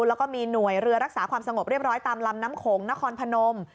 แล้วก็มีหน่วยเรือรักษาความสงบเรียบร้อยตามลำน้ำโขงนครพนม